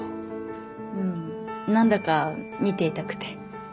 うん何だか見ていたくて。